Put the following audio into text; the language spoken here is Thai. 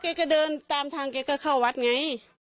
แกก็เดินตามทางแกก็เข้าวัดไง